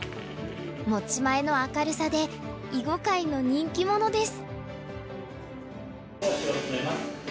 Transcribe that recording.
持ち前の明るさで囲碁界の人気者です。